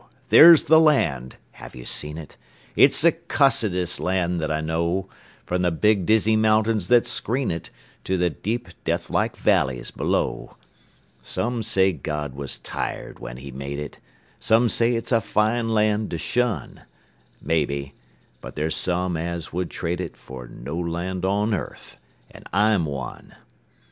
There's the land. (Have you seen it?) It's the cussedest land that I know, From the big, dizzy mountains that screen it To the deep, deathlike valleys below. Some say God was tired when He made it; Some say it's a fine land to shun; Maybe; but there's some as would trade it For no land on earth and I'm one.